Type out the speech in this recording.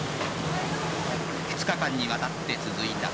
２日間にわたって続いた。